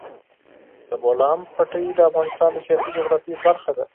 د بولان پټي د افغانستان د سیاسي جغرافیه برخه ده.